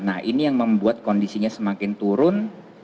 nah ini yang membuat kondisinya semakin turun